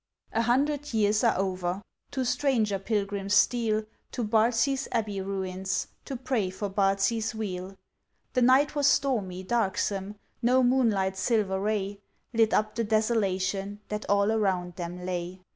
A hundred years are over, Two stranger pilgrims steal, To Bardsey's Abbey ruins, To pray for Bardsey's weal. The night was stormy, darksome, No moonlight's silver ray Lit up the desolation That all around them lay.